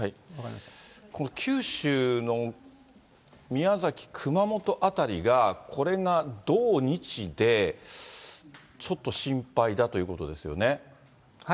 この九州の宮崎、熊本辺りが、これが土、日で、ちょっと心配だということですよね。